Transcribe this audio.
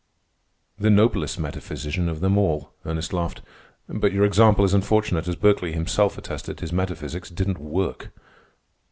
"The noblest metaphysician of them all," Ernest laughed. "But your example is unfortunate. As Berkeley himself attested, his metaphysics didn't work."